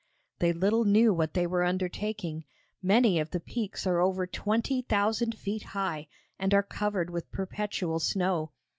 They little knew what they were undertaking. Many of the peaks are over 20,000 feet high, and are covered with perpetual snow.